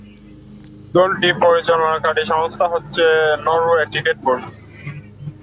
দলটির পরিচালনাকারী সংস্থাটি হচ্ছে নরওয়ে ক্রিকেট বোর্ড।